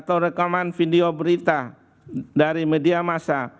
atau rekaman video berita dari media masa